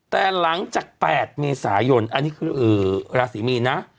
แต่หลังจาก๘เมษายนอันนี้คือราศีมีนนะ